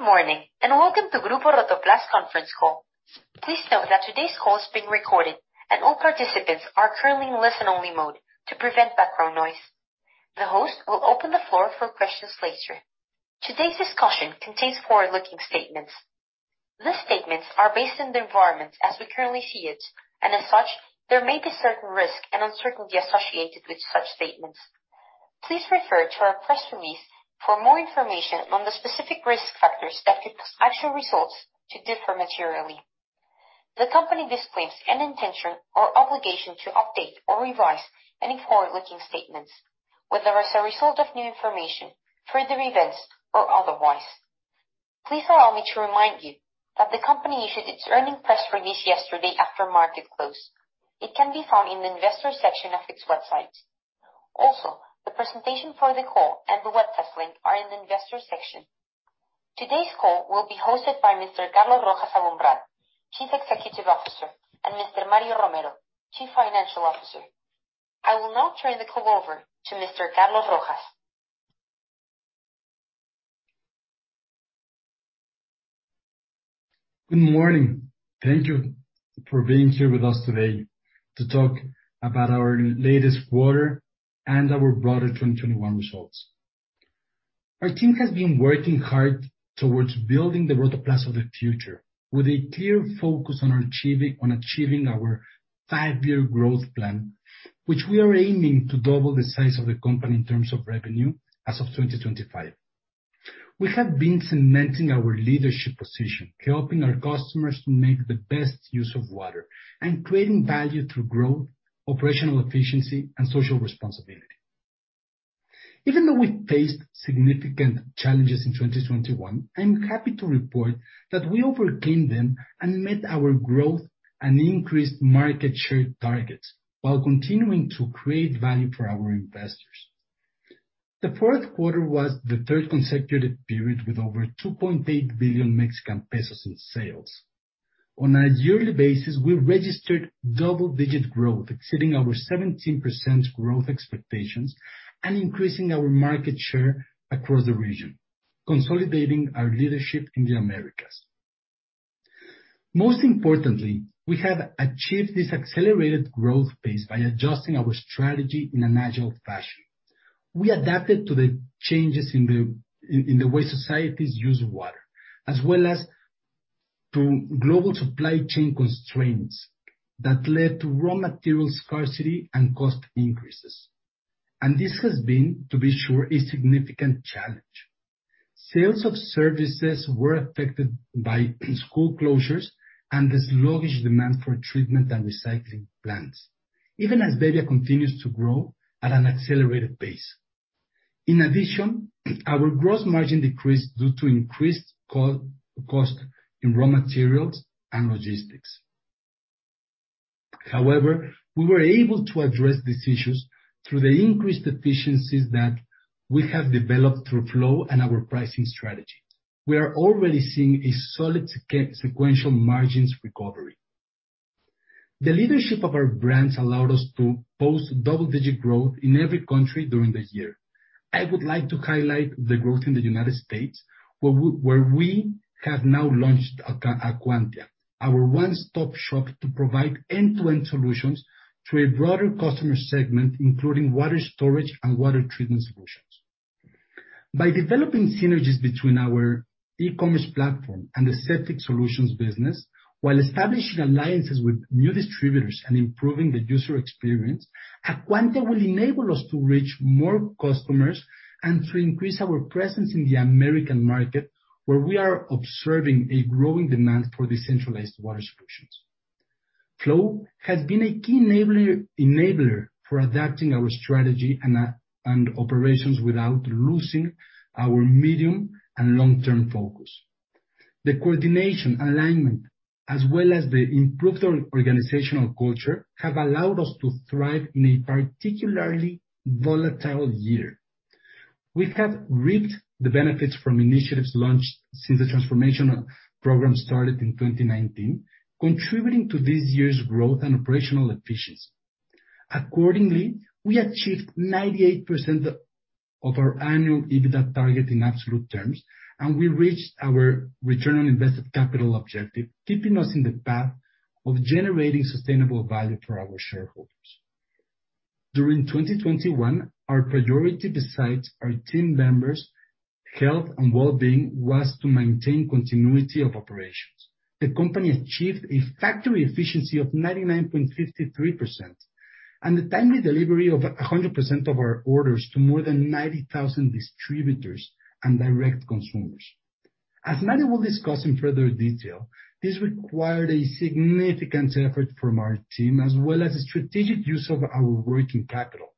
Good morning, and welcome to Grupo Rotoplas conference call. Please note that today's call is being recorded and all participants are currently in listen-only mode to prevent background noise. The host will open the floor for questions later. Today's discussion contains forward-looking statements. These statements are based on the environment as we currently see it, and as such, there may be certain risks and uncertainty associated with such statements. Please refer to our press release for more information on the specific risk factors that could cause actual results to differ materially. The company disclaims any intention or obligation to update or revise any forward-looking statements, whether as a result of new information, further events, or otherwise. Please allow me to remind you that the company issued its earnings press release yesterday after market close. It can be found in the investor section of its website. Also, the presentation for the call and the webcast link are in the investor section. Today's call will be hosted by Mr. Carlos Rojas Aboumrad, Chief Executive Officer, and Mr. Mario Romero, Chief Financial Officer. I will now turn the call over to Mr. Carlos Rojas. Good morning. Thank you for being here with us today to talk about our latest quarter and our broader 2021 results. Our team has been working hard towards building the Rotoplas of the future with a clear focus on achieving our five-year growth plan, which we are aiming to double the size of the company in terms of revenue as of 2025. We have been cementing our leadership position, helping our customers to make the best use of water and creating value through growth, operational efficiency, and social responsibility. Even though we faced significant challenges in 2021, I'm happy to report that we overcame them and met our growth and increased market share targets while continuing to create value for our investors. The Q4 was the third consecutive period with over 2.8 billion Mexican pesos in sales. On a yearly basis, we registered double-digit growth, exceeding our 17% growth expectations and increasing our market share across the region, consolidating our leadership in the Americas. Most importantly, we have achieved this accelerated growth pace by adjusting our strategy in an agile fashion. We adapted to the changes in the way societies use water, as well as through global supply chain constraints that led to raw material scarcity and cost increases. This has been, to be sure, a significant challenge. Sales of services were affected by school closures and the sluggish demand for treatment and recycling plants, even as bebbia continues to grow at an accelerated pace. In addition, our gross margin decreased due to increased cost in raw materials and logistics. However, we were able to address these issues through the increased efficiencies that we have developed through Flow and our pricing strategies. We are already seeing a solid sequential margins recovery. The leadership of our brands allowed us to post double-digit growth in every country during the year. I would like to highlight the growth in the United States, where we have now launched Acuantia, our one-stop shop to provide end-to-end solutions to a broader customer segment, including water storage and water treatment solutions. By developing synergies between our e-commerce platform and the septic solutions business while establishing alliances with new distributors and improving the user experience, Acuantia will enable us to reach more customers and to increase our presence in the American market, where we are observing a growing demand for decentralized water solutions. Flow has been a key enabler for adapting our strategy and operations without losing our medium and long-term focus. The coordination, alignment, as well as the improved organizational culture, have allowed us to thrive in a particularly volatile year. We have reaped the benefits from initiatives launched since the transformation program started in 2019, contributing to this year's growth and operational efficiency. Accordingly, we achieved 98% of our annual EBITDA target in absolute terms, and we reached our return on invested capital objective, keeping us in the path of generating sustainable value for our shareholders. During 2021, our priority besides our team members' health and well-being, was to maintain continuity of operations. The company achieved a factory efficiency of 99.53% and the timely delivery of 100% of our orders to more than 90,000 distributors and direct consumers. As Mario will discuss in further detail, this required a significant effort from our team as well as strategic use of our working capital.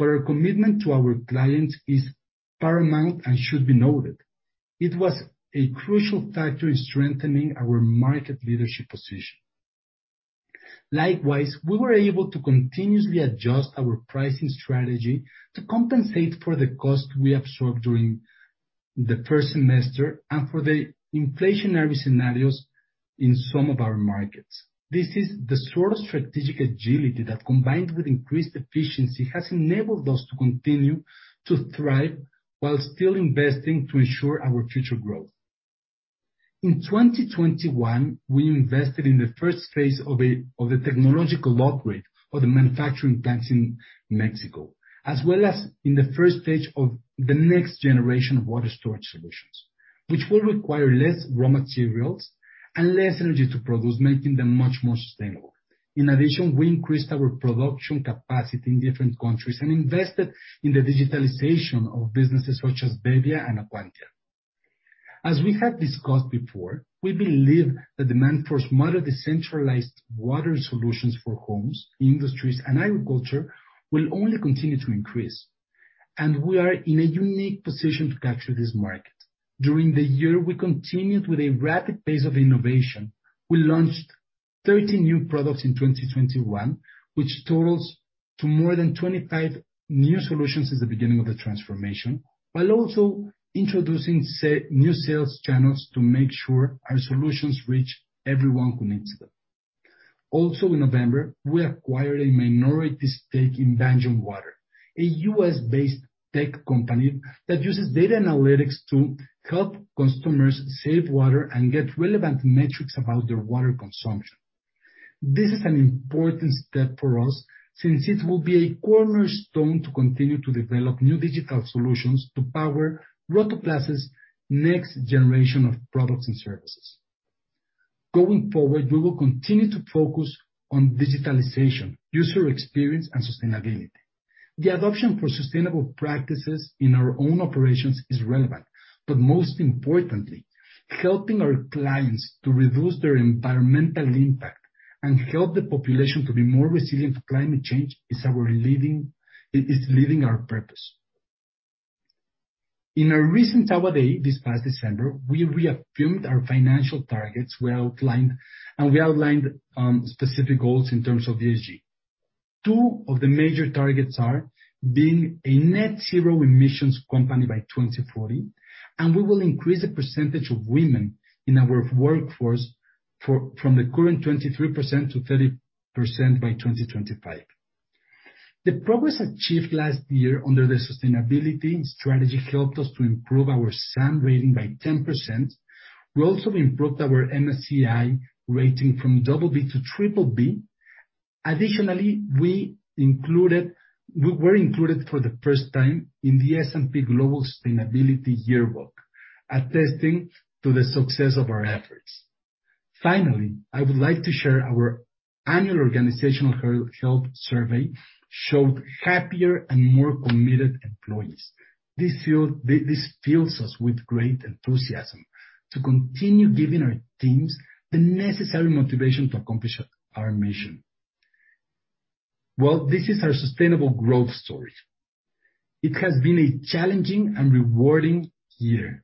Our commitment to our clients is paramount and should be noted. It was a crucial factor in strengthening our market leadership position. Likewise, we were able to continuously adjust our pricing strategy to compensate for the cost we absorbed during the first semester and for the inflationary scenarios in some of our markets. This is the sort of strategic agility that, combined with increased efficiency, has enabled us to continue to thrive while still investing to ensure our future growth. In 2021, we invested in the first phase of the technological upgrade of the manufacturing plants in Mexico, as well as in the first phase of the next generation of water storage solutions, which will require less raw materials and less energy to produce, making them much more sustainable. In addition, we increased our production capacity in different countries and invested in the digitalization of businesses such as bebbia and acuantia. As we have discussed before, we believe the demand for smart or decentralized water solutions for homes, industries, and agriculture will only continue to increase, and we are in a unique position to capture this market. During the year, we continued with a rapid pace of innovation. We launched 30 new products in 2021, which totals to more than 25 new solutions since the beginning of the transformation, while also introducing new sales channels to make sure our solutions reach everyone who needs them. In November, we acquired a minority stake in Banyan Water, a U.S.-based tech company that uses data analytics to help customers save water and get relevant metrics about their water consumption. This is an important step for us, since it will be a cornerstone to continue to develop new digital solutions to power Rotoplas' next generation of products and services. Going forward, we will continue to focus on digitalization, user experience, and sustainability. The adoption for sustainable practices in our own operations is relevant, but most importantly, helping our clients to reduce their environmental impact and help the population to be more resilient to climate change is our living. is living our purpose. In a recent Investor Day, this past December, we reaffirmed our financial targets we outlined and specific goals in terms of ESG. Two of the major targets are being a net zero emissions company by 2040, and we will increase the percentage of women in our workforce from the current 23% to 30% by 2025. The progress achieved last year under the sustainability strategy helped us to improve our SAM rating by 10%. We also improved our MSCI rating from BB to BBB. Additionally, we were included for the first time in the S&P Global Sustainability Yearbook, attesting to the success of our efforts. Finally, I would like to share that our annual organizational health survey showed happier and more committed employees. This fuel, this fills us with great enthusiasm to continue giving our teams the necessary motivation to accomplish our mission. Well, this is our sustainable growth story. It has been a challenging and rewarding year,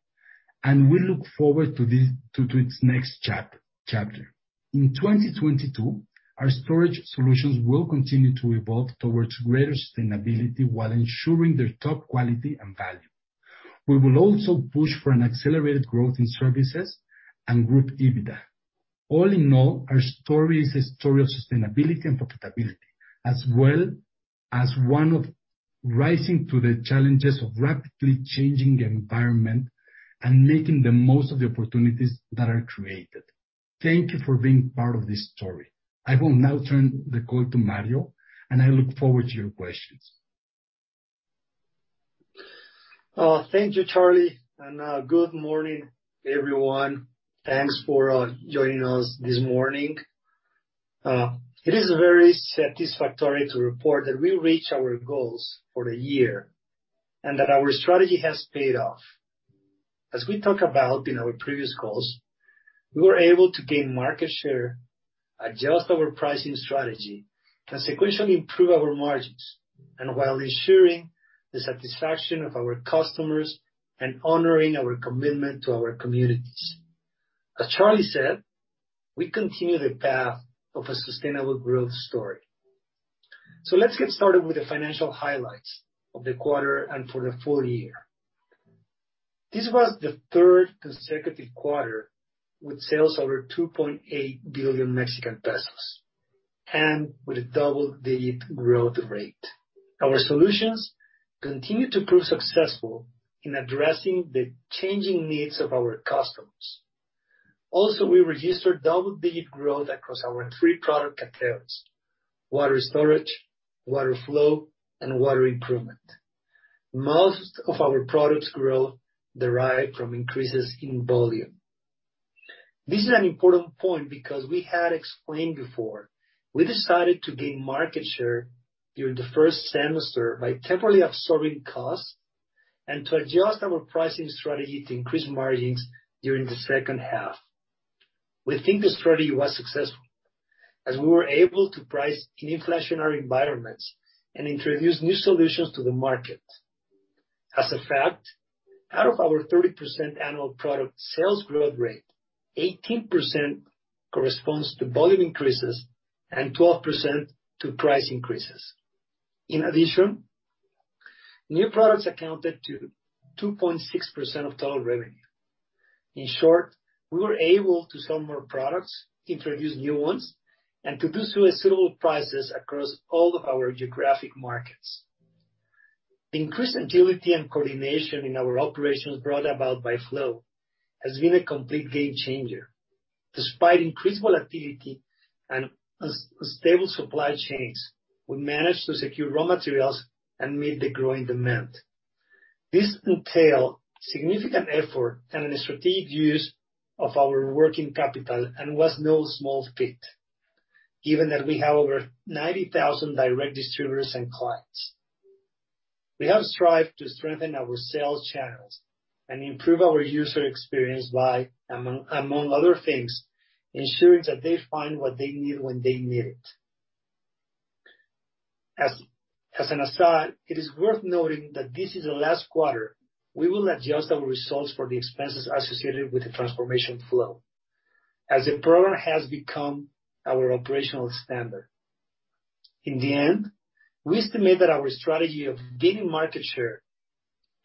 and we look forward to its next chapter. In 2022, our storage solutions will continue to evolve towards greater sustainability while ensuring their top quality and value. We will also push for an accelerated growth in services and group EBITDA. All in all, our story is a story of sustainability and profitability, as well as one of rising to the challenges of rapidly changing environment and making the most of the opportunities that are created. Thank you for being part of this story. I will now turn the call to Mario, and I look forward to your questions. Thank you, Charlie. Good morning, everyone. Thanks for joining us this morning. It is very satisfactory to report that we reached our goals for the year and that our strategy has paid off. As we talked about in our previous calls, we were able to gain market share, adjust our pricing strategy, and sequentially improve our margins, and while ensuring the satisfaction of our customers and honoring our commitment to our communities. As Charlie said, we continue the path of a sustainable growth story. Let's get started with the financial highlights of the quarter and for the full year. This was the third consecutive quarter with sales over 2.8 billion Mexican pesos and with a double-digit growth rate. Our solutions continue to prove successful in addressing the changing needs of our customers. We registered double-digit growth across our three product categories: water storage, water flow, and water improvement. Most of our products growth derive from increases in volume. This is an important point because we had explained before, we decided to gain market share during the first semester by temporarily absorbing costs and to adjust our pricing strategy to increase margins during the H2. We think the strategy was successful, as we were able to price in inflationary environments and introduce new solutions to the market. As a fact, out of our 30% annual product sales growth rate, 18% corresponds to volume increases and 12% to price increases. In addition, new products accounted to 2.6% of total revenue. In short, we were able to sell more products, introduce new ones, and to do so at suitable prices across all of our geographic markets. Increased agility and coordination in our operations brought about by Flow has been a complete game changer. Despite increased volatility and stable supply chains, we managed to secure raw materials and meet the growing demand. This entail significant effort and a strategic use of our working capital and was no small feat, given that we have over 90,000 direct distributors and clients. We have strived to strengthen our sales channels and improve our user experience by, among other things, ensuring that they find what they need when they need it. As an aside, it is worth noting that this is the last quarter we will adjust our results for the expenses associated with the transformation Flow, as the program has become our operational standard. In the end, we estimate that our strategy of gaining market share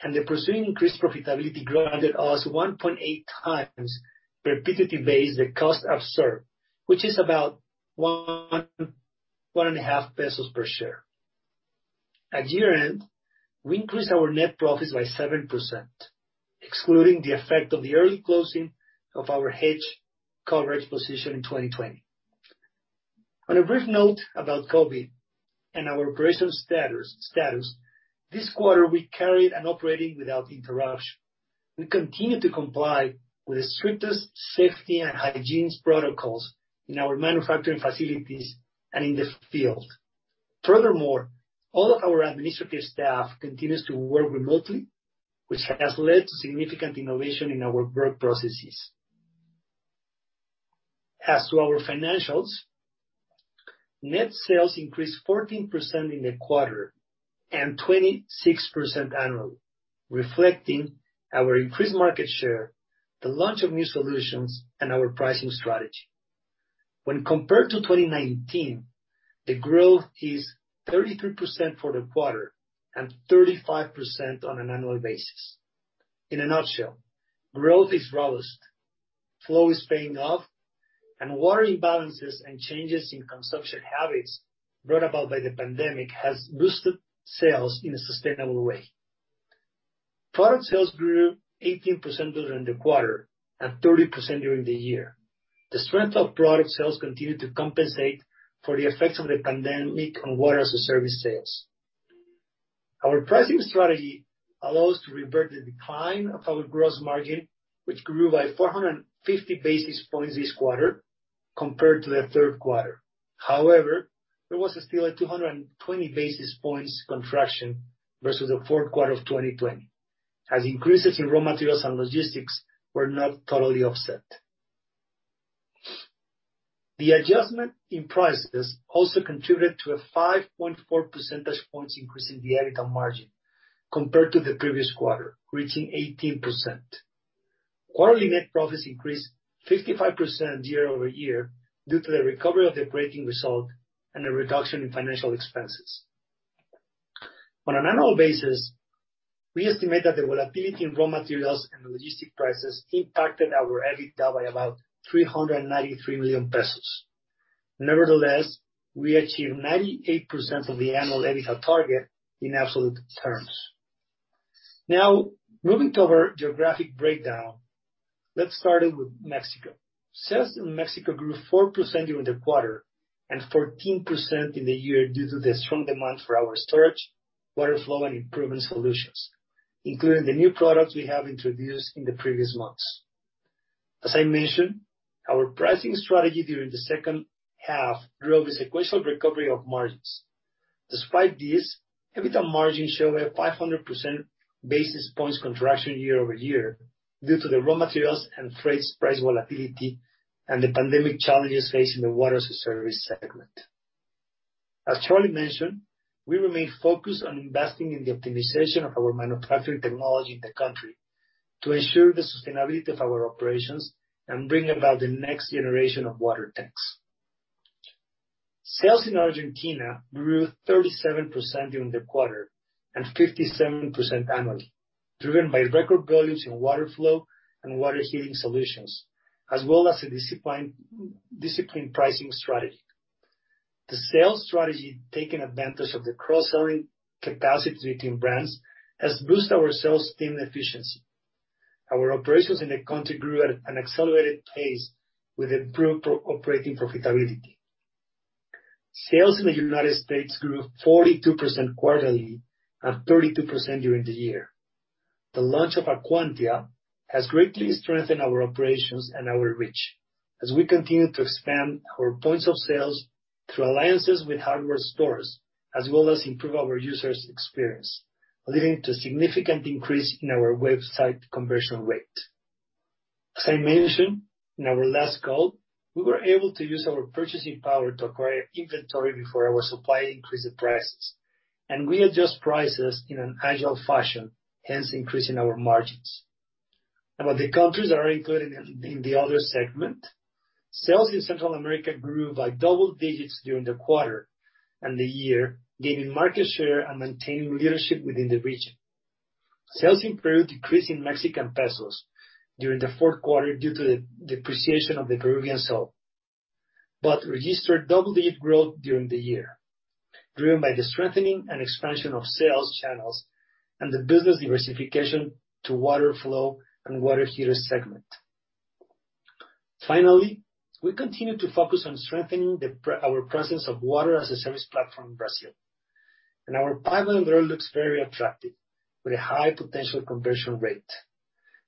and pursuing increased profitability granted us 1.8x the cost to serve, which is about 1-1.5 pesos per share. At year-end, we increased our net profits by 7%, excluding the effect of the early closing of our hedge coverage position in 2020. On a brief note about COVID and our operational status, this quarter we carried on operating without interruption. We continue to comply with the strictest safety and hygiene protocols in our manufacturing facilities and in the field. Furthermore, all of our administrative staff continues to work remotely, which has led to significant innovation in our work processes. As to our financials, net sales increased 14% in the quarter and 26% annually, reflecting our increased market share, the launch of new solutions, and our pricing strategy. When compared to 2019, the growth is 33% for the quarter and 35% on an annual basis. In a nutshell, growth is robust, Flow is paying off, and water imbalances and changes in consumption habits brought about by the pandemic has boosted sales in a sustainable way. Product sales grew 18% during the quarter and 30% during the year. The strength of product sales continued to compensate for the effects of the pandemic on water-as-a-service sales. Our pricing strategy allows to revert the decline of our gross margin, which grew by 450 basis points this quarter compared to the Q3. However, there was still a 220 basis points contraction versus the Q4 of 2020, as increases in raw materials and logistics were not totally offset. The adjustment in prices also contributed to a 5.4 percentage points increase in the EBITDA margin compared to the previous quarter, reaching 18%. Quarterly net profits increased 55% year-over-year due to the recovery of the operating result and a reduction in financial expenses. On an annual basis, we estimate that the volatility in raw materials and logistic prices impacted our EBITDA by about 393 million pesos. Nevertheless, we achieved 98% of the annual EBITDA target in absolute terms. Now, moving to our geographic breakdown. Let's start with Mexico. Sales in Mexico grew 4% during the quarter and 14% in the year due to the strong demand for our storage, water flow, and improvement solutions, including the new products we have introduced in the previous months. As I mentioned, our pricing strategy during the H2 drove a sequential recovery of margins. Despite this, EBITDA margin showed a 500 basis points contraction year-over-year due to the raw materials and freights price volatility and the pandemic challenges facing the water-as-a-service segment. As Charlie mentioned, we remain focused on investing in the optimization of our manufacturing technology in the country to ensure the sustainability of our operations and bring about the next generation of water techs. Sales in Argentina grew 37% during the quarter and 57% annually, driven by record volumes in water flow and water heating solutions, as well as a disciplined pricing strategy. The sales strategy, taking advantage of the cross-selling capacity between brands, has boosted our sales team efficiency. Our operations in the country grew at an accelerated pace with improved operating profitability. Sales in the United States grew 42% quarterly and 32% during the year. The launch of acuantia has greatly strengthened our operations and our reach as we continue to expand our points of sale through alliances with hardware stores, as well as improve our users' experience, leading to significant increase in our website conversion rate. As I mentioned in our last call, we were able to use our purchasing power to acquire inventory before our supplier increased the prices, and we adjust prices in an agile fashion, hence increasing our margins. About the countries that are included in the other segment, sales in Central America grew by double digits during the quarter and the year, gaining market share and maintaining leadership within the region. Sales in Peru decreased in Mexican pesos during the Q4 due to the depreciation of the Peruvian sol, but registered double-digit growth during the year, driven by the strengthening and expansion of sales channels and the business diversification to water flow and water heater segment. Finally, we continue to focus on strengthening our presence of water-as-a-service platform in Brazil. Our pipeline there looks very attractive with a high potential conversion rate.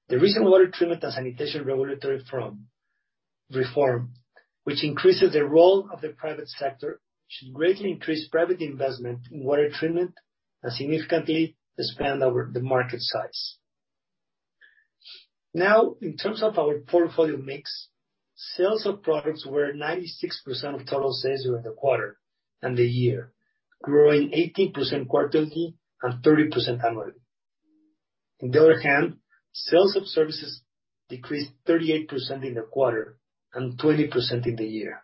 The recent water treatment and sanitation regulatory reform, which increases the role of the private sector, should greatly increase private investment in water treatment and significantly expand the market size. Now, in terms of our portfolio mix, sales of products were 96% of total sales during the quarter and the year, growing 18% quarterly and 30% annually. On the other hand, sales of services decreased 38% in the quarter and 20% in the year.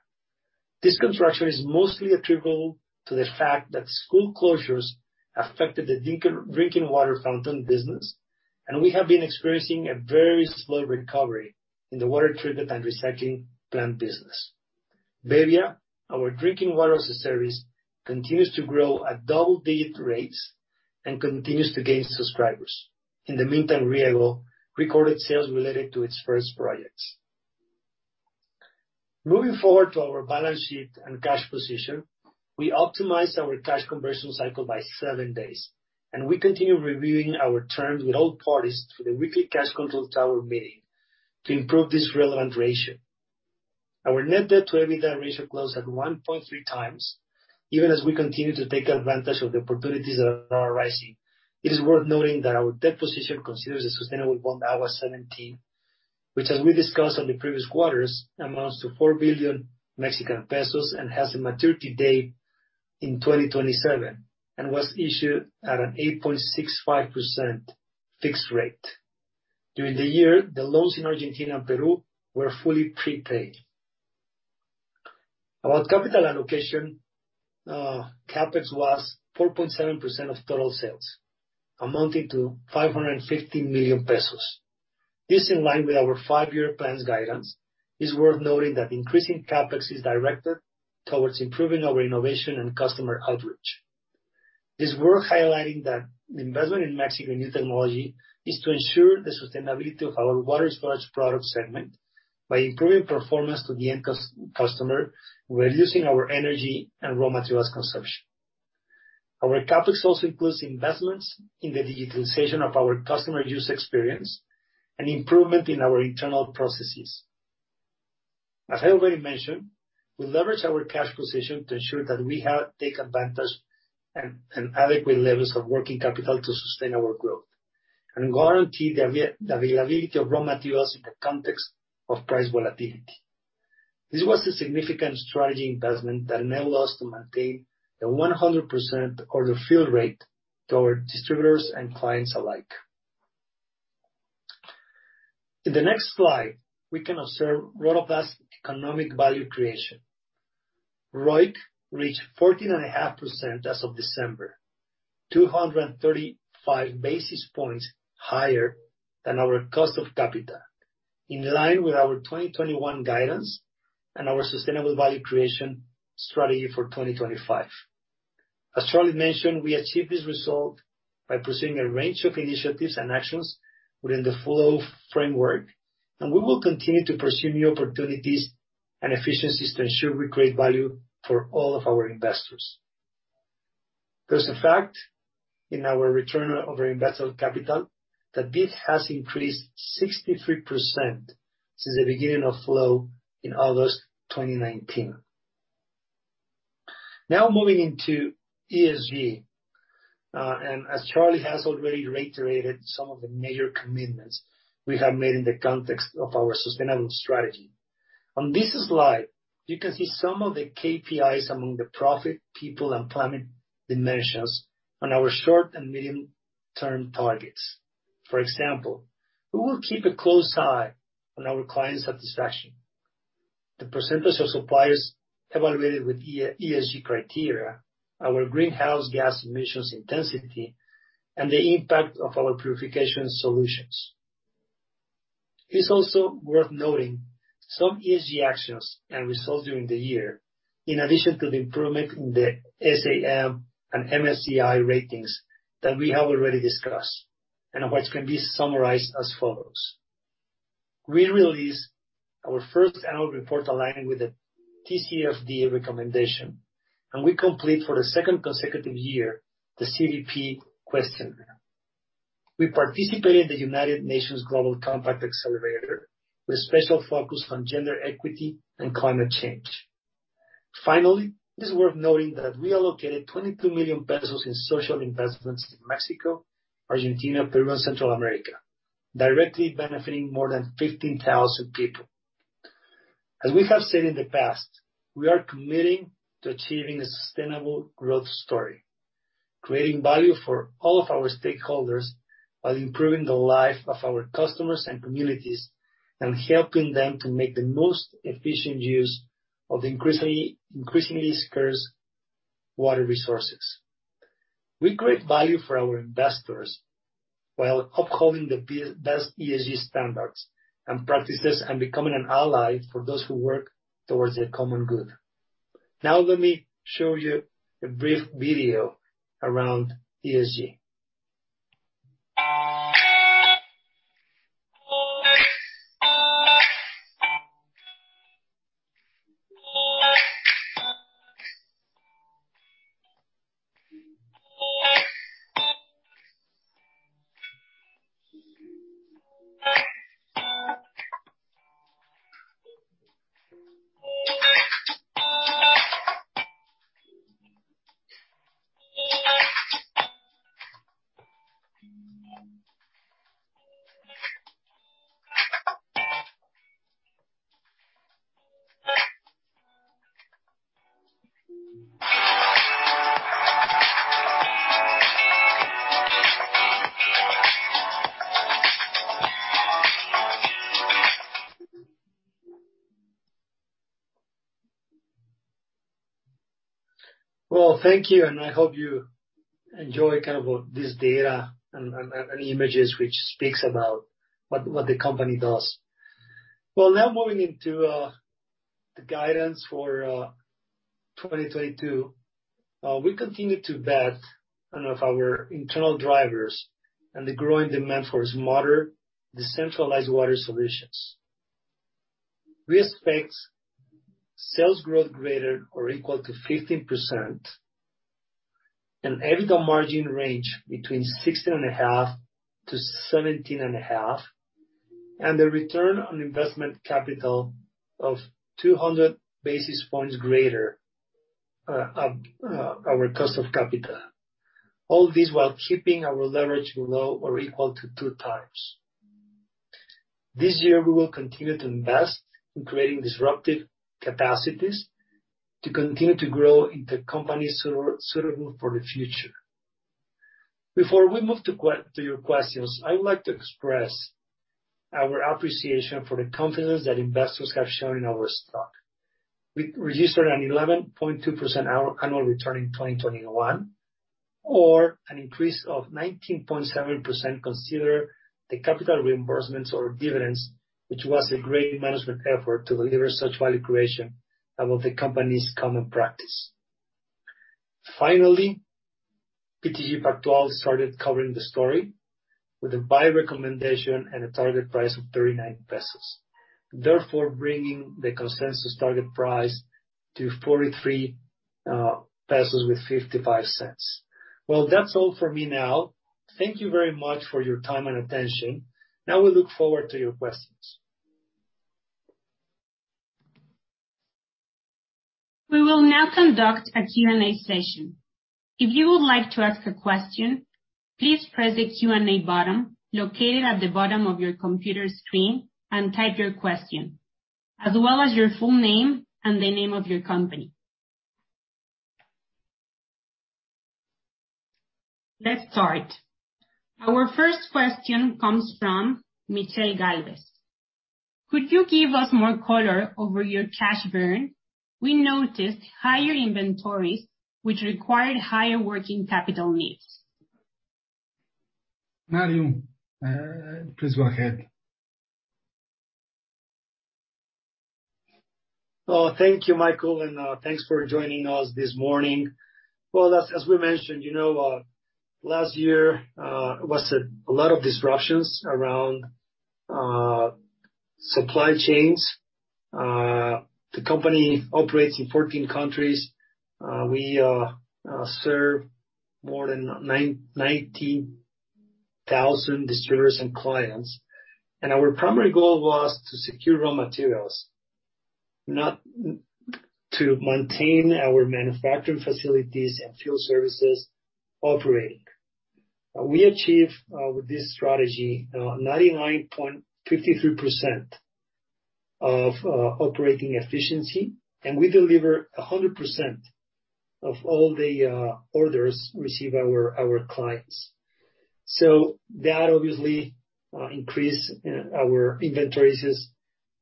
This contraction is mostly attributable to the fact that school closures affected the drinking water fountain business, and we have been experiencing a very slow recovery in the water treatment and recycling plant business. Bebbia, our drinking water-as-a-service, continues to grow at double-digit rates and continues to gain subscribers. In the meantime, Rieggo recorded sales related to its first projects. Moving forward to our balance sheet and cash position, we optimized our cash conversion cycle by seven days, and we continue reviewing our terms with all parties through the weekly cash control tower meeting to improve this relevant ratio. Our net debt-to-EBITDA ratio closed at 1.3x, even as we continue to take advantage of the opportunities that are arising. It is worth noting that our debt position considers the sustainable bond, AGUA 17, which as we discussed on the previous quarters, amounts to 4 billion Mexican pesos and has a maturity date in 2027, and was issued at an 8.65% fixed rate. During the year, the loans in Argentina and Peru were fully prepaid. About capital allocation, CapEx was 4.7% of total sales, amounting to 550 million pesos. This in line with our five-year plans guidance is worth noting that increasing CapEx is directed towards improving our innovation and customer outreach. It's worth highlighting that the investment in Mexican new technology is to ensure the sustainability of our water storage product segment by improving performance to the end customer, reducing our energy and raw materials consumption. Our CapEx also includes investments in the digitalization of our customer user experience and improvement in our internal processes. As I already mentioned, we leverage our cash position to ensure that we take advantage and have adequate levels of working capital to sustain our growth and guarantee the availability of raw materials in the context of price volatility. This was a significant strategic investment that enabled us to maintain the 100% order fill rate to our distributors and clients alike. In the next slide, we can observe Rotoplas' economic value creation. ROIC reached 14.5% as of December, 235 basis points higher than our cost of capital, in line with our 2021 guidance and our sustainable value creation strategy for 2025. As Charlie mentioned, we achieved this result by pursuing a range of initiatives and actions within the FLOW framework, and we will continue to pursue new opportunities and efficiencies to ensure we create value for all of our investors. There's the fact in our return on invested capital that NOPAT has increased 63% since the beginning of FLOW in August 2019. Now moving into ESG, and as Charlie has already reiterated some of the major commitments we have made in the context of our sustainable strategy. On this slide, you can see some of the KPIs among the profit, people, and planet dimensions on our short and medium-term targets. For example, we will keep a close eye on our client satisfaction, the percentage of suppliers evaluated with ESG criteria, our greenhouse gas emissions intensity, and the impact of our purification solutions. It's also worth noting some ESG actions and results during the year, in addition to the improvement in the SAM and MSCI ratings that we have already discussed, and which can be summarized as follows. We released our first annual report aligned with the TCFD recommendation, and we complete for the second consecutive year the CDP questionnaire. We participated in the United Nations Global Compact Accelerator with a special focus on gender equity and climate change. Finally, it is worth noting that we allocated 22 million pesos in social investments in Mexico, Argentina, Peru, and Central America, directly benefiting more than 15,000 people. As we have said in the past, we are committing to achieving a sustainable growth story, creating value for all of our stakeholders while improving the life of our customers and communities, and helping them to make the most efficient use of the increasingly scarce water resources. We create value for our investors while upholding the best ESG standards and practices, and becoming an ally for those who work towards the common good. Now let me show you a brief video around ESG. Well, thank you, and I hope you enjoy kind of this data and images which speaks about what the company does. Well, now moving into the guidance for 2022. We continue to bet on our internal drivers and the growing demand for modern, decentralized water solutions. We expect sales growth greater or equal to 15%, an EBITDA margin range between 16.5% and 17.5%, and the return on investment capital of 200 basis points greater than our cost of capital. All this while keeping our leverage low or equal to 2x. This year, we will continue to invest in creating disruptive capacities to continue to grow into companies suitable for the future. Before we move to your questions, I would like to express our appreciation for the confidence that investors have shown in our stock. We registered an 11.2% annual return in 2021, or an increase of 19.7% considering the capital reimbursements or dividends, which was a great management effort to deliver such value creation above the company's common practice. Finally, BTG Pactual started covering the story with a buy recommendation and a target price of 39 pesos. Therefore, bringing the consensus target price to 43.55 pesos. Well, that's all for me now. Thank you very much for your time and attention. Now we look forward to your questions. We will now conduct a Q&A session. If you would like to ask a question, please press the Q&A button located at the bottom of your computer screen and type your question, as well as your full name and the name of your company. Let's start. Our first question comes from Michel Gálvez. Could you give us more color over your cash burn? We noticed higher inventories which required higher working capital needs. Mario Romero, please go ahead. Oh, thank you, Michel Gálvez, and thanks for joining us this morning. Well, as we mentioned, you know, last year was a lot of disruptions around supply chains. The company operates in 14 countries. We serve more than 90,000 distributors and clients. Our primary goal was to secure raw materials, not to maintain our manufacturing facilities and field services operating. We achieved, with this strategy, 99.53% operating efficiency, and we deliver 100% of all the orders received our clients. That obviously increased our inventories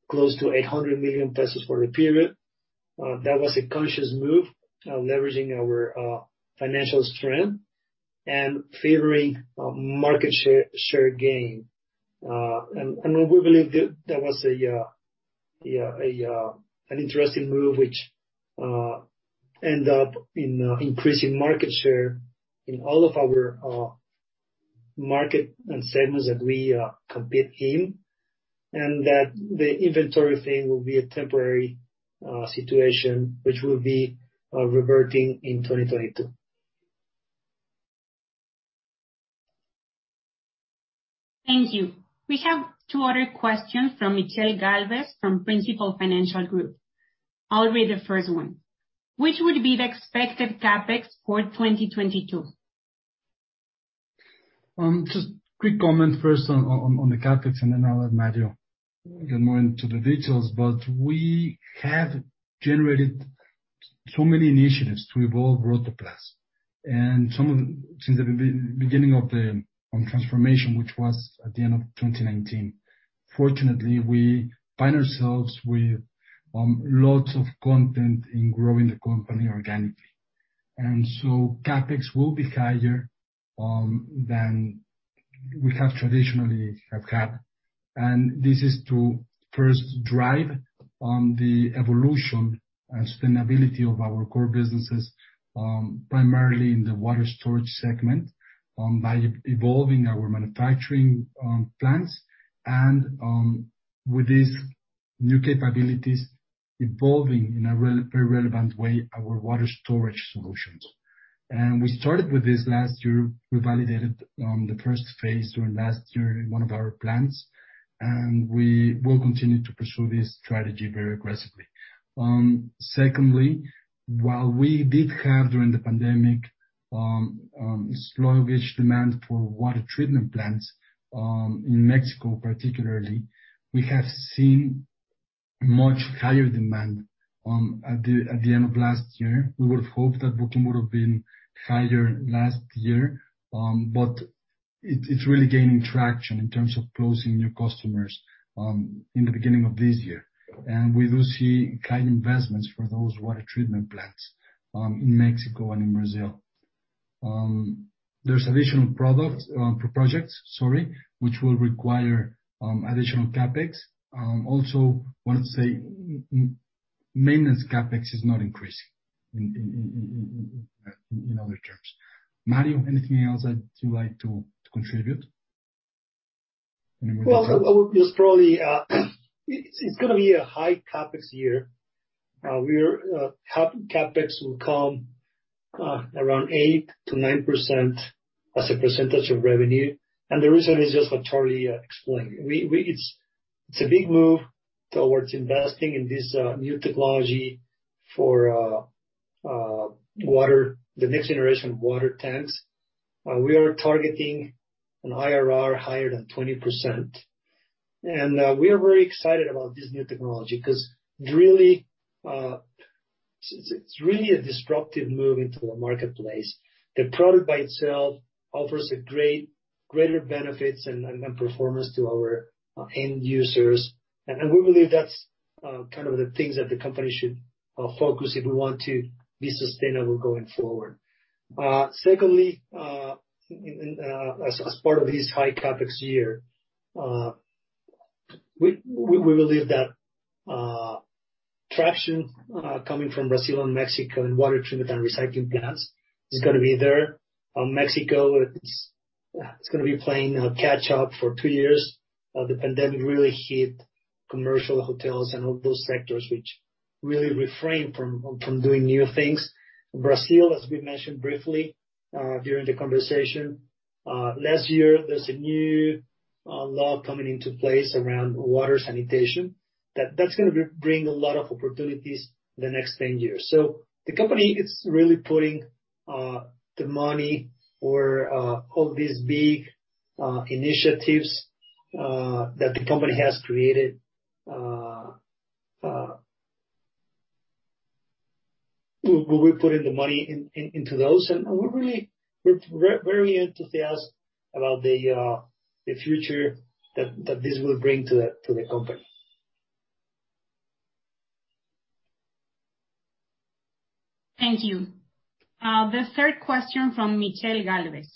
close to 800 million pesos for the period. That was a conscious move, leveraging our financial strength and favoring market share gain. We believe that was an interesting move which ended up in increasing market share in all of our markets and segments that we compete in, and that the inventory thing will be a temporary situation which will be reverting in 2022. Thank you. We have two other questions from Michel Gálvez from Principal Financial Group. I'll read the first one. Which would be the expected CapEx for 2022? Just quick comment first on the CapEx, and then I'll let Mario get more into the details. We have generated so many initiatives to evolve Rotoplas and some of them since the beginning of the transformation, which was at the end of 2019. Fortunately, we find ourselves with lots of content in growing the company organically. CapEx will be higher than we have traditionally had. This is to first drive the evolution and sustainability of our core businesses, primarily in the water storage segment, by evolving our manufacturing plants and with these new capabilities evolving in a relevant way our water storage solutions. We started with this last year. We validated the first phase during last year in one of our plants, and we will continue to pursue this strategy very aggressively. Secondly, while we did have during the pandemic sluggish demand for water treatment plants in Mexico particularly, we have seen much higher demand at the end of last year. We would have hoped that book would have been higher last year. But it's really gaining traction in terms of closing new customers in the beginning of this year. We do see kind investments for those water treatment plants in Mexico and in Brazil. There's additional products for projects, sorry, which will require additional CapEx. Also want to say maintenance CapEx is not increasing in other terms. Mario, anything else that you'd like to contribute anywhere you want? Well, I would just probably, it's gonna be a high CapEx year. CapEx will come around 8% to 9% as a percentage of revenue. The reason is just what Charlie explained. It's a big move towards investing in this new technology for water, the next generation of water tanks. We are targeting an IRR higher than 20%. We are very excited about this new technology 'cause it really, it's really a disruptive move into the marketplace. The product by itself offers a greater benefits and performance to our end users. We believe that's kind of the things that the company should focus if we want to be sustainable going forward. Secondly, as part of this high CapEx year, we believe that traction coming from Brazil and Mexico in water treatment and recycling plants is gonna be there. Mexico is gonna be playing catch-up for two years. The pandemic really hit commercial hotels and all those sectors which really refrained from doing new things. Brazil, as we mentioned briefly, during the conversation last year, there's a new law coming into place around water sanitation, that's gonna bring a lot of opportunities the next ten years. The company is really putting the money for all these big initiatives that the company has created. We're putting the money into those, and we're really very enthusiastic about the future that this will bring to the company. Thank you. The third question from Michel Gálvez.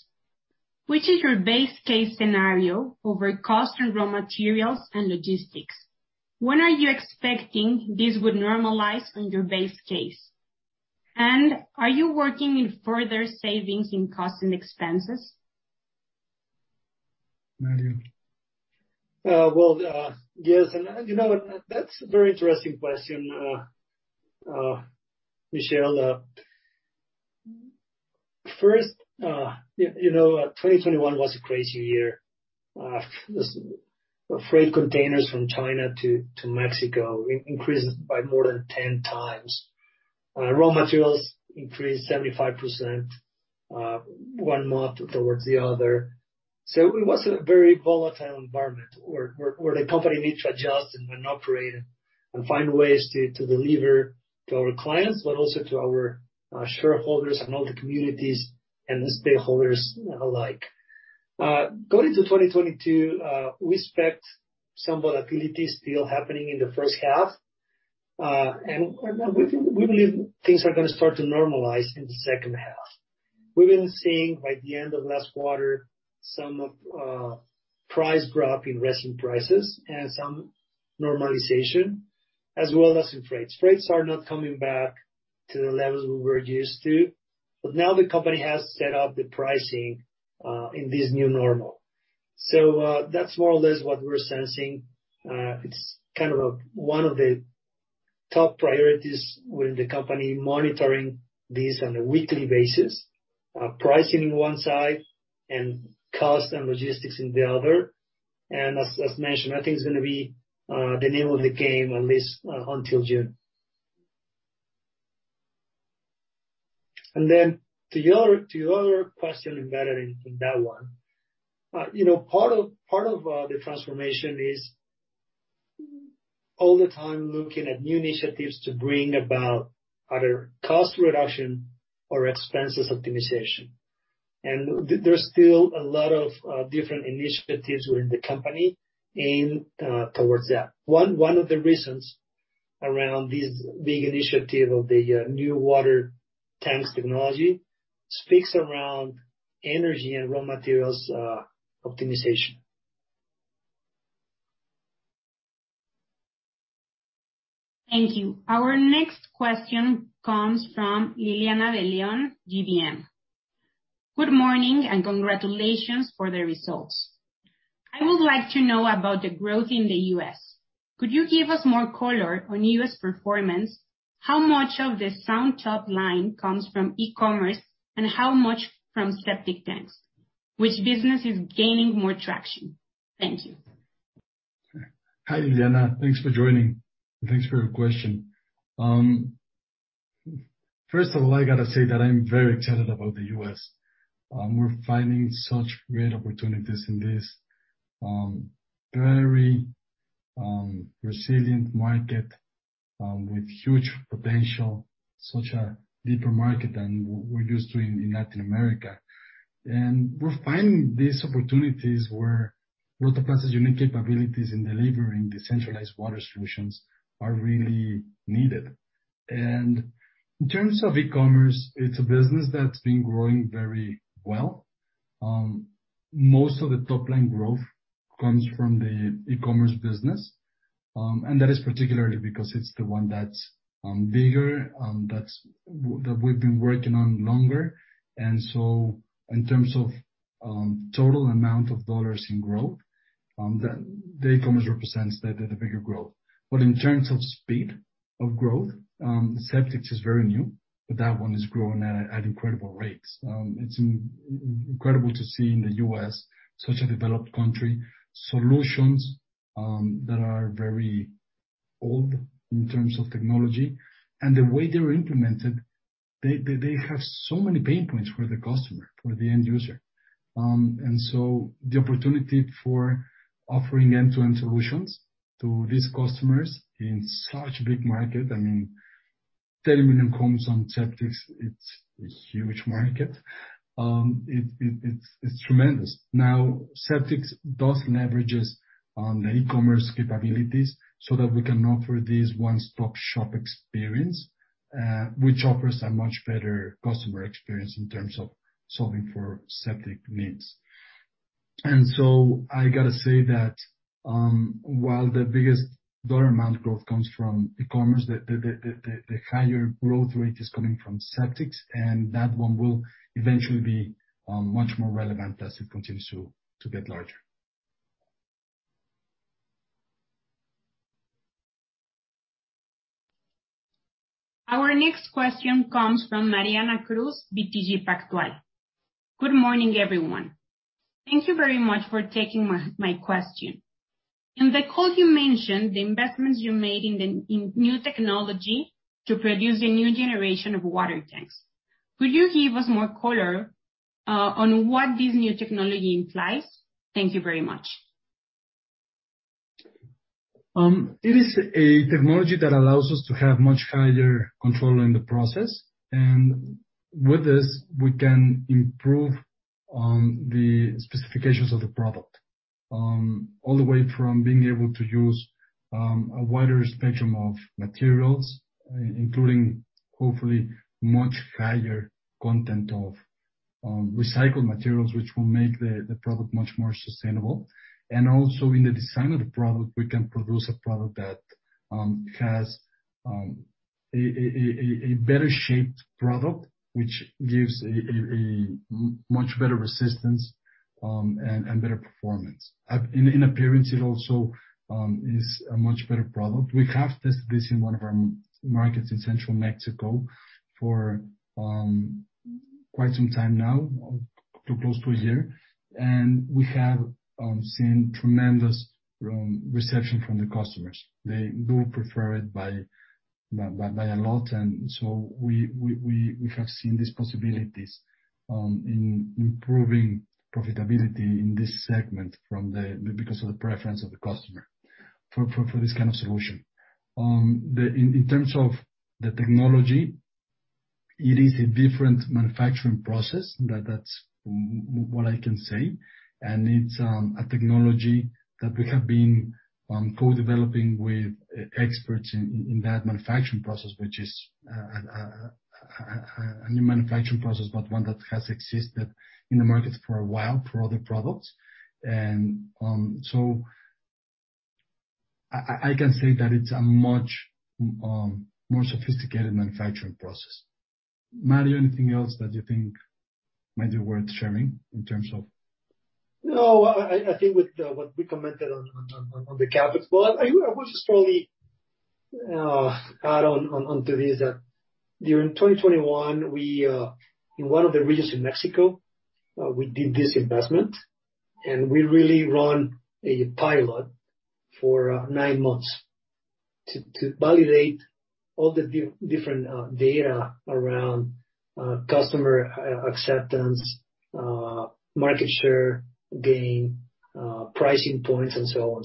What is your base case scenario for costs and raw materials and logistics? When are you expecting this would normalize in your base case? And are you working on further savings in costs and expenses? Mario. Well, yes, you know, that's a very interesting question, Michelle. First, you know, 2021 was a crazy year. The freight containers from China to Mexico increased by more than 10x. Raw materials increased 75%, one month to the other. It was a very volatile environment where the company needs to adjust and when operating and find ways to deliver to our clients, but also to our shareholders and all the communities and the stakeholders alike. Going into 2022, we expect some volatility still happening in the H1. We believe things are gonna start to normalize in the H2. We've been seeing by the end of last quarter some of price drop in resin prices and some normalization, as well as in freights. Freights are not coming back to the levels we were used to, but now the company has set up the pricing in this new normal. So that's more or less what we're sensing. It's kind of a one of the top priorities with the company monitoring this on a weekly basis, pricing in one side and cost and logistics in the other. As mentioned, I think it's gonna be the name of the game at least until June. Then to your question embedded in that one, you know, part of the transformation is all the time looking at new initiatives to bring about other cost reduction or expenses optimization. There's still a lot of different initiatives within the company aimed towards that. One of the reasons around this big initiative of the new water tanks technology speaks around energy and raw materials optimization. Thank you. Our next question comes from Liliana de León, GDM. Good morning and congratulations for the results. I would like to know about the growth in the U.S. Could you give us more color on U.S. performance? How much of the strong top line comes from e-commerce and how much from septic tanks? Which business is gaining more traction? Thank you. Hi, Liliana. Thanks for joining. Thanks for your question. First of all, I gotta say that I'm very excited about the U.S. We're finding such great opportunities in this very resilient market with huge potential, such a deeper market than we're used to in Latin America. We're finding these opportunities where acuantia's unique capabilities in delivering decentralized water solutions are really needed. In terms of e-commerce, it's a business that's been growing very well. Most of the top line growth comes from the e-commerce business, and that is particularly because it's the one that's bigger, that we've been working on longer. In terms of total amount of dollars in growth, the e-commerce represents the bigger growth. In terms of speed of growth, septics is very new, but that one is growing at incredible rates. It's incredible to see in the U.S., such a developed country, solutions that are very old in terms of technology and the way they were implemented. They have so many pain points for the customer, for the end user. The opportunity for offering end-to-end solutions to these customers in such big market, I mean 30 million homes on septics, it's a huge market. It's tremendous. Now, septics does leverages e-commerce capabilities so that we can offer this one-stop shop experience, which offers a much better customer experience in terms of solving for septic needs. I gotta say that, while the biggest dollar amount growth comes from e-commerce, the higher growth rate is coming from septics, and that one will eventually be much more relevant as it continues to get larger. Our next question comes from Mariana Cruz, BTG Pactual. Good morning, everyone. Thank you very much for taking my question. In the call you mentioned the investments you made in new technology to produce a new generation of water tanks. Could you give us more color on what this new technology implies? Thank you very much. It is a technology that allows us to have much higher control in the process, and with this, we can improve the specifications of the product all the way from being able to use a wider spectrum of materials, including hopefully much higher content of recycled materials, which will make the product much more sustainable. Also in the design of the product, we can produce a product that has a better shaped product which gives a much better resistance and better performance. In appearance, it also is a much better product. We have tested this in one of our markets in central Mexico for quite some time now, close to a year, and we have seen tremendous reception from the customers. They do prefer it by a lot, so we have seen these possibilities in improving profitability in this segment because of the preference of the customer for this kind of solution. In terms of the technology, it is a different manufacturing process. That's what I can say. It's a technology that we have been co-developing with experts in that manufacturing process, which is a new manufacturing process, but one that has existed in the market for a while for other products. I can say that it's a much more sophisticated manufacturing process. Mario, anything else that you think might be worth sharing in terms of No, I think with what we commented on the CapEx. Well, I would just probably add on to this that during 2021, we in one of the regions in Mexico, we did this investment and we really run a pilot for nine months to validate all the different data around customer acceptance, market share gain, pricing points, and so on.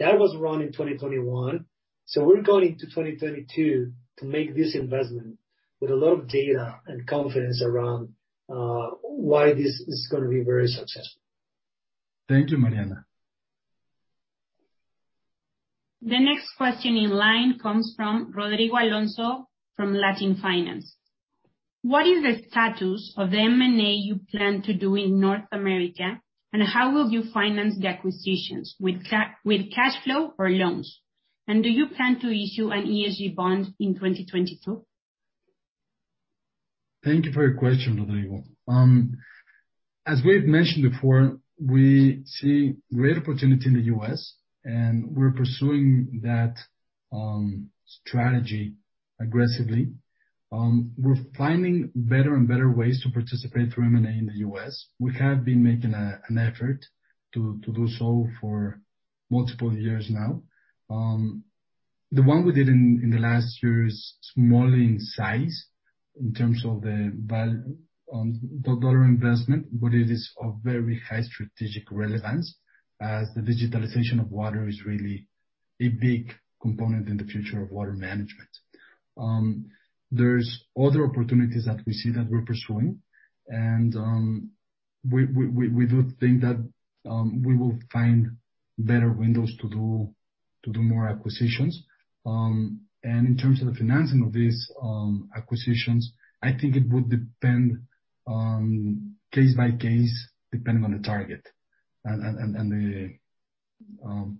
That was run in 2022 to make this investment with a lot of data and confidence around why this is gonna be very successful. Thank you, Mariana. The next question in line comes from Rodrigo Alonso from Latin Finance. What is the status of the M&A you plan to do in North America, and how will you finance the acquisitions, with cash flow or loans? Do you plan to issue an ESG bond in 2022? Thank you for your question, Rodrigo. As we've mentioned before, we see great opportunity in the U.S., and we're pursuing that strategy aggressively. We're finding better and better ways to participate through M&A in the U.S. We have been making an effort to do so for multiple years now. The one we did in the last year is small in size in terms of the dollar investment, but it is of very high strategic relevance, as the digitalization of water is really a big component in the future of water management. There's other opportunities that we see that we're pursuing, and we do think that we will find better windows to do more acquisitions. In terms of the financing of these acquisitions, I think it would depend on case by case, depending on the target and the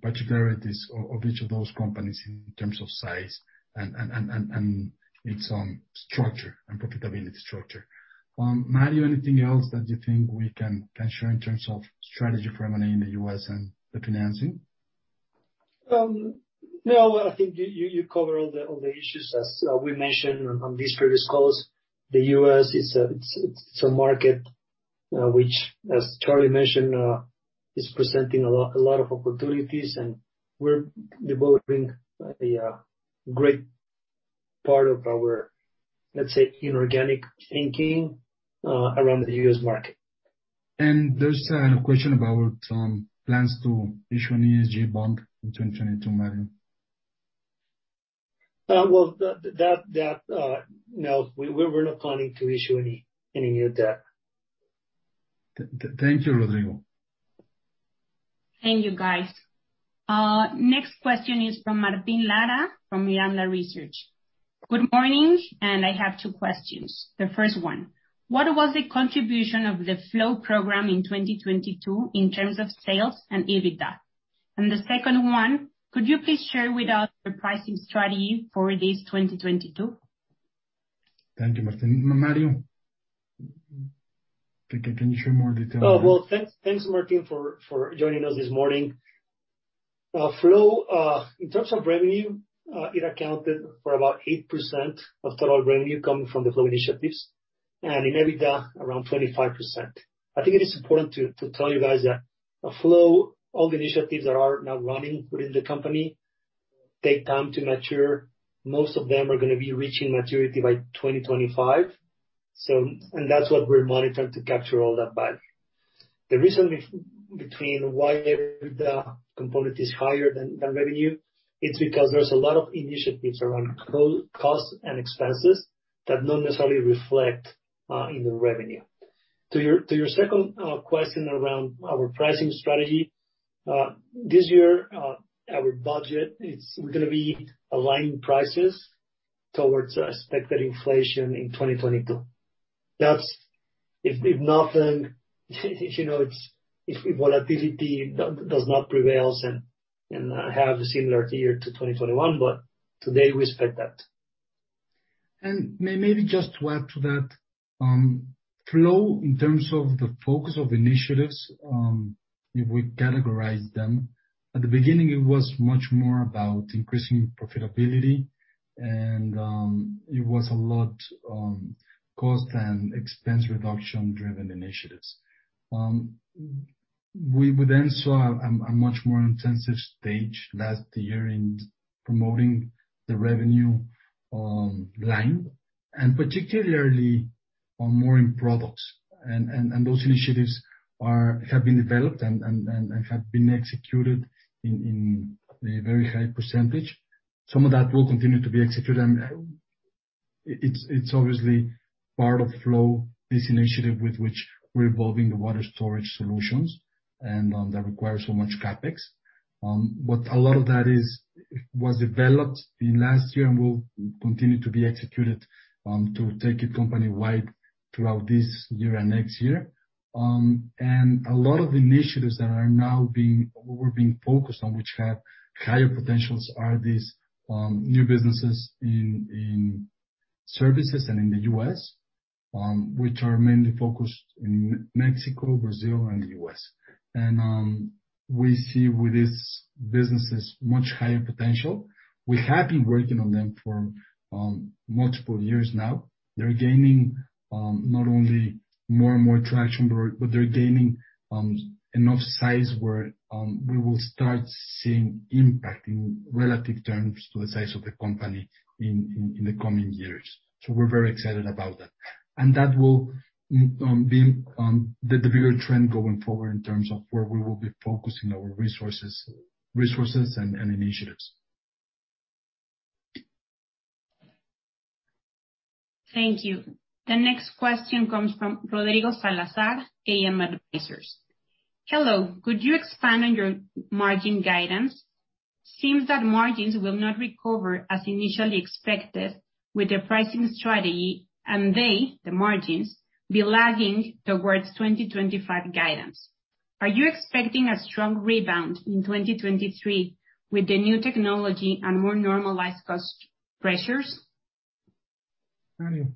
particularities of each of those companies in terms of size and its structure and profitability structure. Mario, anything else that you think we can share in terms of strategy for M&A in the U.S. and the financing? No, I think you covered all the issues. As we mentioned on these previous calls, the U.S. is a market which, as Charlie mentioned, is presenting a lot of opportunities, and we're devoting a great part of our, let's say, inorganic thinking around the U.S. market. There's a question about plans to issue an ESG bond in 2022, Mario. Well, no. We're not planning to issue any new debt. Thank you, Rodrigo. Thank you, guys. Next question is from Martin Lara from Miranda Global Research. Good morning, and I have two questions. The first one, what was the contribution of the Flow program in 2022 in terms of sales and EBITDA? And the second one, could you please share with us your pricing strategy for this 2022? Thank you, Martin. Mario? Can you share more detail? Thanks, Martin, for joining us this morning. Flow, in terms of revenue, it accounted for about 8% of total revenue coming from the Flow initiatives, and in EBITDA, around 25%. I think it is important to tell you guys that Flow, all the initiatives that are now running within the company take time to mature. Most of them are gonna be reaching maturity by 2025. That's what we're monitoring to capture all that value. The reason between why the component is higher than revenue, it's because there's a lot of initiatives around cost and expenses that not necessarily reflect in the revenue. To your second question around our pricing strategy, this year, our budget is gonna be aligned prices towards expected inflation in 2022. That's if nothing, you know, if volatility does not prevail and have a similar year to 2021. But today we expect that. Maybe just to add to that, Flow, in terms of the focus of initiatives, if we categorize them, at the beginning, it was much more about increasing profitability and it was a lot cost and expense reduction driven initiatives. We then saw a much more intensive stage last year in promoting the revenue line, and particularly more in products. Those initiatives have been developed and have been executed in a very high percentage. Some of that will continue to be executed. It's obviously part of Flow, this initiative with which we're evolving the water storage solutions, and that requires so much CapEx. A lot of that was developed last year and will continue to be executed to take it company-wide throughout this year and next year. A lot of the initiatives that we're now being focused on, which have higher potentials, are these new businesses in services and in the U.S., which are mainly focused in Mexico, Brazil and U.S. We see with these businesses much higher potential. We have been working on them for multiple years now. They're gaining not only more and more traction, but they're gaining enough size where we will start seeing impact in relative terms to the size of the company in the coming years. We're very excited about that. That will be the bigger trend going forward in terms of where we will be focusing our resources and initiatives. Thank you. The next question comes from Rodrigo Salazar, AM Advisors. Hello. Could you expand on your margin guidance? It seems that margins will not recover as initially expected with the pricing strategy, and the margins will be lagging toward 2025 guidance. Are you expecting a strong rebound in 2023 with the new technology and more normalized cost pressures? Mario.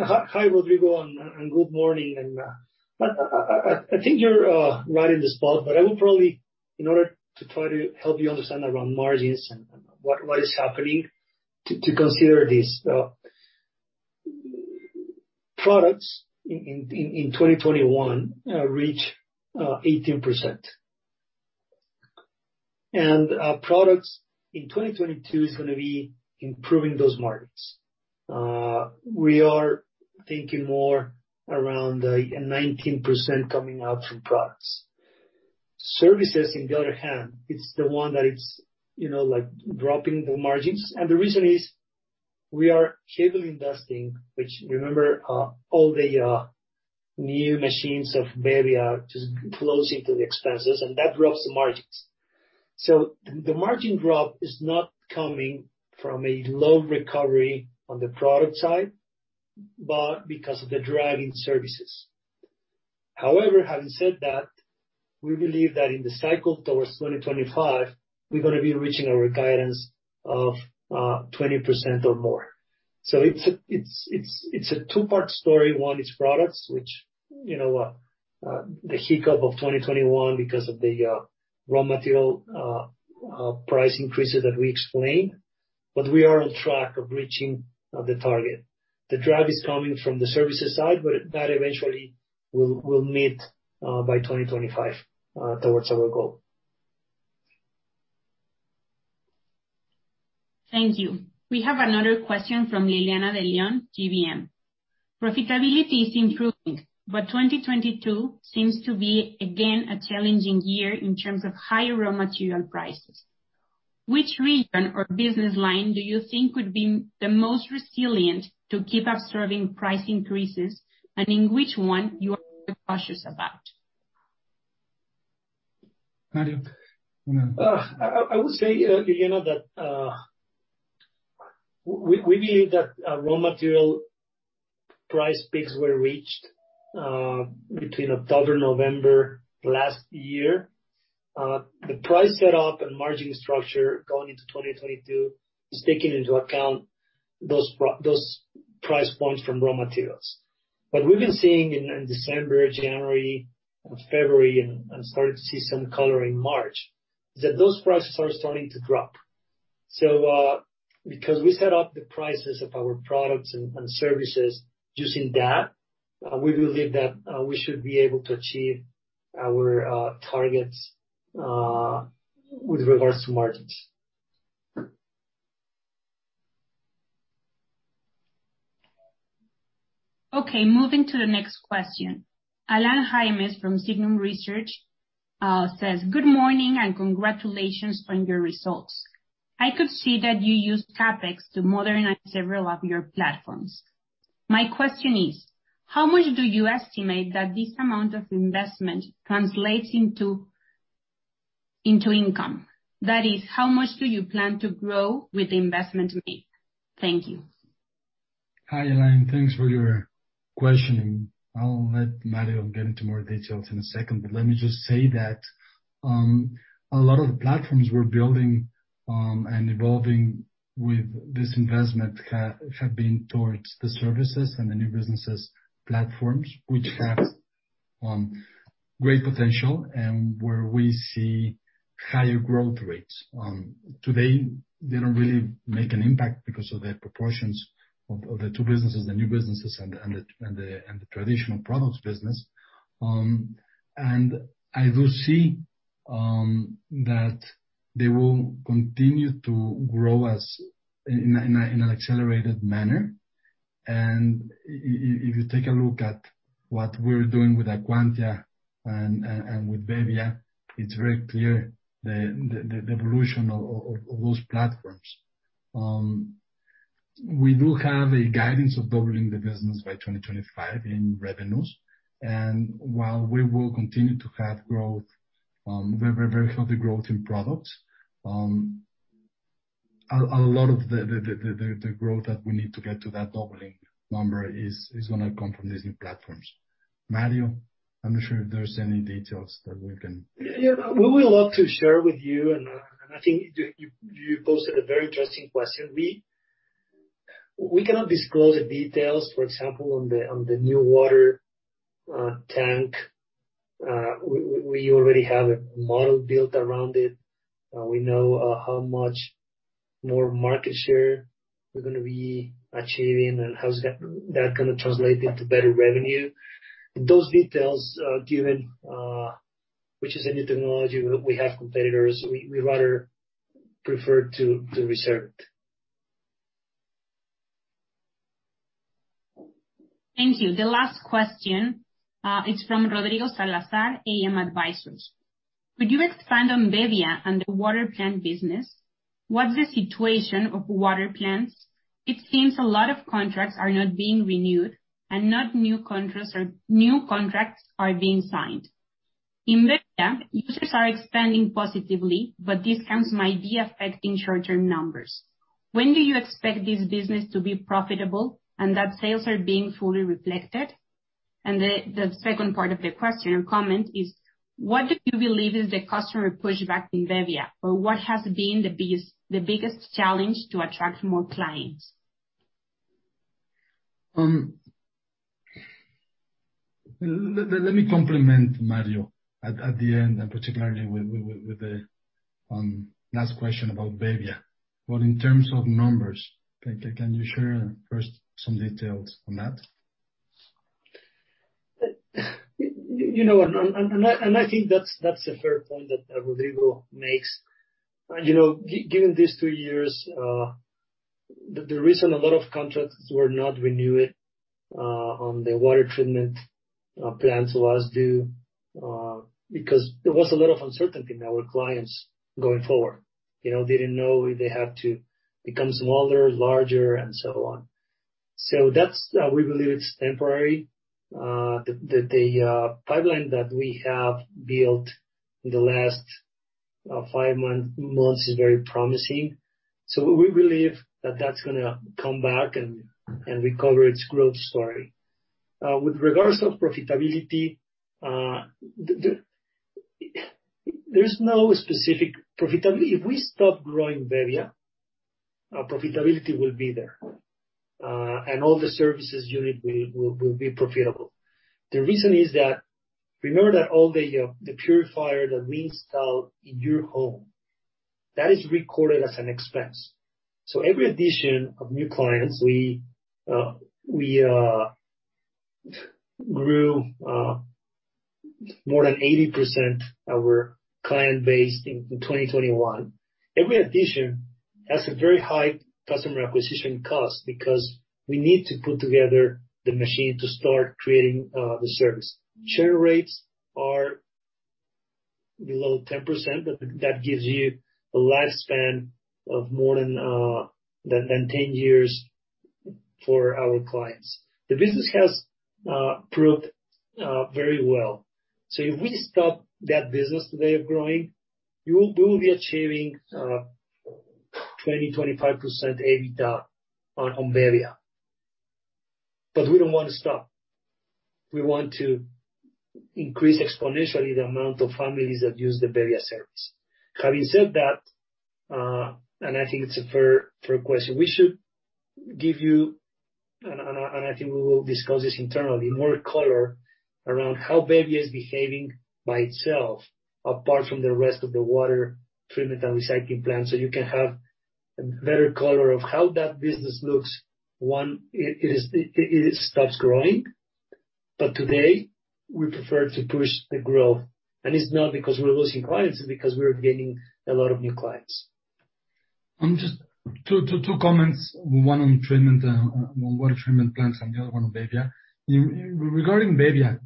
Hi, Rodrigo, and good morning. I think you're right in the spot, but I would probably, in order to try to help you understand around margins and what is happening to consider this. Products in 2021 reached 18%. Products in 2022 is gonna be improving those margins. We are thinking more around 19% coming out from products. Services, on the other hand, it's the one that's, you know, like, dropping the margins, and the reason is we are heavily investing, which remember, all the new machines of bebbia just flows into the expenses, and that drops the margins. The margin drop is not coming from a low recovery on the product side, but because of the drag in services. However, having said that, we believe that in the cycle towards 2025, we're gonna be reaching our guidance of 20% or more. So it's a two-part story. One is products, which, you know, the hiccup of 2021 because of the raw material price increases that we explained, but we are on track of reaching the target. The drag is coming from the services side, but that eventually will meet by 2025 towards our goal. Thank you. We have another question from Liliana De León, GBM. Profitability is improving, but 2022 seems to be again a challenging year in terms of high raw material prices. Which region or business line do you think would be the most resilient to keep absorbing price increases, and in which one you are cautious about? Mario. I would say, Liliana, that we believe that raw material price peaks were reached between October, November last year. The price set up and margin structure going into 2022 is taking into account those price points from raw materials. What we've been seeing in December, January, and February, and started to see some color in March, is that those prices are starting to drop. Because we set up the prices of our products and services using that, we believe that we should be able to achieve our targets with regards to margins. Okay, moving to the next question. Alain Jaimes from Signum Research says, good morning and congratulations on your results. I could see that you used CapEx to modernize several of your platforms. My question is, how much do you estimate that this amount of investment translates into income? That is, how much do you plan to grow with the investment made? Thank you. Hi, Alain. Thanks for your question, and I'll let Mario get into more details in a second. Let me just say that a lot of the platforms we're building and evolving with this investment have been towards the services and the new businesses' platforms, which have great potential and where we see higher growth rates. Today, they don't really make an impact because of the proportions of the two businesses, the new businesses and the traditional products business. I do see that they will continue to grow in an accelerated manner. If you take a look at what we're doing with acuantia and with bebbia, it's very clear the evolution of those platforms. We do have a guidance of doubling the business by 2025 in revenues. While we will continue to have growth, very, very healthy growth in products, a lot of the growth that we need to get to that doubling number is gonna come from these new platforms. Mario, I'm not sure if there's any details that we can Yeah, we would love to share with you. I think you posted a very interesting question. We cannot disclose the details, for example, on the new water tank. We already have a model built around it. We know how much more market share we're gonna be achieving and how that's gonna translate into better revenue. Those details, given which is a new technology, we have competitors. We rather prefer to reserve it. Thank you. The last question is from Rodrigo Salazar, AM Advisors. Could you expand on bebbia and the water plant business? What's the situation of water plants? It seems a lot of contracts are not being renewed and no new contracts are being signed. In bebbia, users are expanding positively, but discounts might be affecting short-term numbers. When do you expect this business to be profitable and that sales are being fully reflected? The second part of the question and comment is: What do you believe is the customer pushback in bebbia, or what has been the biggest challenge to attract more clients? Let me complement Mario at the end, and particularly with the last question about bebbia. In terms of numbers, can you share first some details on that? You know, I think that's a fair point that Rodrigo makes. You know, given these two years, the reason a lot of contracts were not renewed on the water treatment plants was due because there was a lot of uncertainty in our clients going forward. You know, they didn't know if they have to become smaller, larger, and so on. We believe it's temporary. The pipeline that we have built in the last five months is very promising. We believe that that's gonna come back and recover its growth story. With regards to profitability, there's no specific profitability. If we stop growing bebbia, our profitability will be there, and all the services unit will be profitable. The reason is that remember that all the purifier that we install in your home, that is recorded as an expense. Every addition of new clients, we grew more than 80% our client base in 2021. Every addition has a very high customer acquisition cost because we need to put together the machine to start creating the service. Churn rates are below 10%. That gives you a lifespan of more than ten years for our clients. The business has proved very well. If we stop that business today of growing, we will be achieving 20%-25% EBITDA on bebbia. We don't wanna stop. We want to increase exponentially the amount of families that use the bebbia service. Having said that, I think it's a fair question. We should give you more color around how bebbia is behaving by itself apart from the rest of the water treatment and recycling plant, so you can have a better color of how that business looks. It stops growing. Today, we prefer to push the growth. It's not because we're losing clients, it's because we are gaining a lot of new clients. Just two comments, one on treatment, on water treatment plants and the other one on bebbia. Regarding bebbia,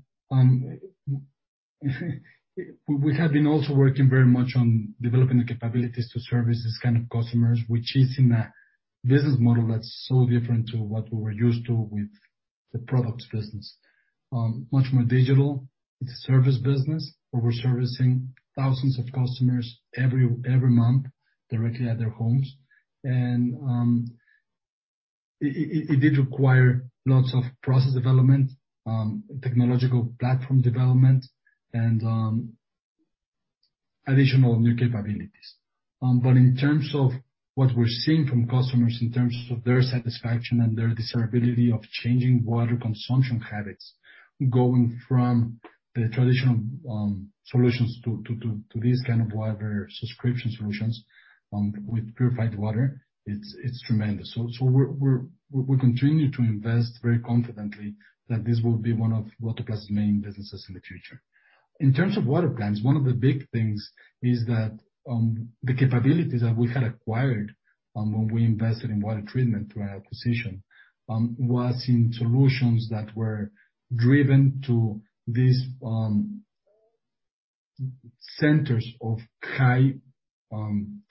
we have been also working very much on developing the capabilities to service this kind of customers, which is in a business model that's so different to what we were used to with the products business. Much more digital. It's a service business where we're servicing thousands of customers every month directly at their homes. It did require lots of process development, technological platform development and additional new capabilities. But in terms of what we're seeing from customers in terms of their satisfaction and their desirability of changing water consumption habits, going from the traditional solutions to these kind of water subscription solutions with purified water, it's tremendous. We're continuing to invest very confidently that this will be one of Water Plus's main businesses in the future. In terms of water plants, one of the big things is that the capabilities that we had acquired when we invested in water treatment through an acquisition was in solutions that were driven to these centers of high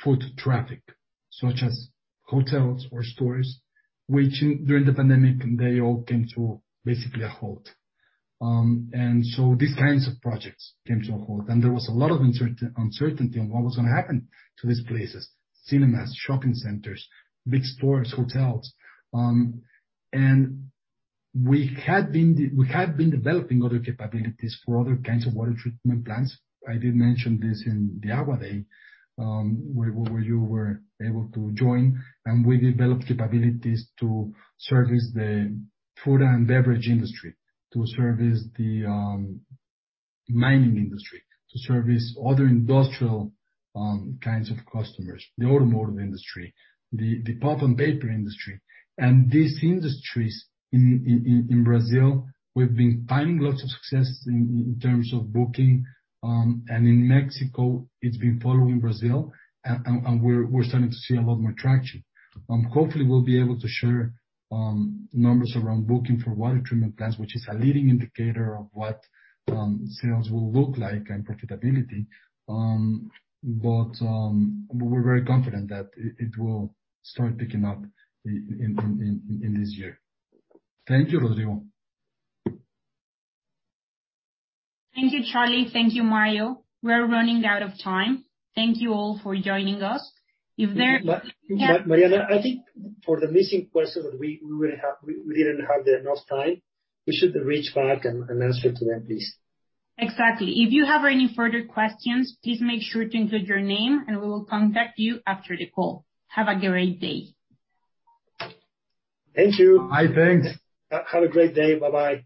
foot traffic, such as hotels or stores, which, during the pandemic, they all came to basically a halt. These kinds of projects came to a halt, and there was a lot of uncertainty on what was gonna happen to these places, cinemas, shopping centers, big stores, hotels. We had been developing other capabilities for other kinds of water treatment plants. I did mention this in the AGUA Day, where you were able to join, and we developed capabilities to service the food and beverage industry, to service the mining industry, to service other industrial kinds of customers, the automotive industry, the pulp and paper industry. These industries in Brazil, we've been finding lots of success in terms of booking. In Mexico, it's been following Brazil and we're starting to see a lot more traction. Hopefully we'll be able to share numbers around booking for water treatment plants, which is a leading indicator of what sales will look like and profitability. We're very confident that it will start picking up in this year. Thank you, Rodrigo. Thank you, Charlie. Thank you, Mario. We're running out of time. Thank you all for joining us. If there- Mariana, I think for the missing question that we will have, we didn't have enough time, we should reach back and answer to them, please. Exactly. If you have any further questions, please make sure to include your name and we will contact you after the call. Have a great day. Thank you. Bye. Thanks. Have a great day. Bye-bye.